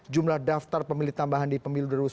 jumlah daftar pemilih tambahan di pemilu dua ribu sembilan belas